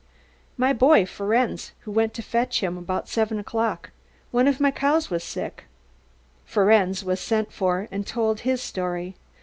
"My boy Ferenz, who went to fetch him about seven o'clock. One of my cows was sick." Ferenz was sent for and told his story.